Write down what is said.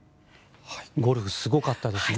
ゴルフすごかったですね。